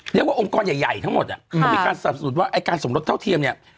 เรียกว่าองค์กรใหญ่ทั้งหมดมีการสรรพสูจน์ว่าการสมรสเท่าเทียมเนี่ย